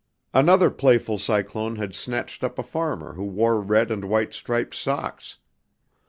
Another playful cyclone had snatched up a farmer who wore red and white striped socks.